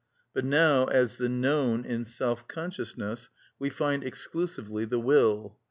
But now, as the known in self consciousness we find exclusively the will.